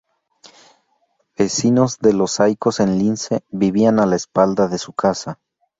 Vecinos de Los Saicos en Lince, vivían a la espalda de su casa.